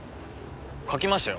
描きましたよ